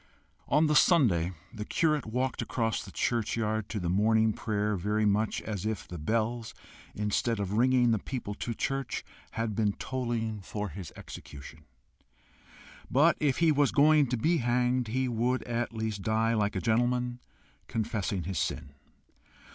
On the Sunday the curate walked across the churchyard to the morning prayer very much as if the bells, instead of ringing the people to church, had been tolling for his execution. But if he was going to be hanged, he would at least die like a gentleman, confessing his sin.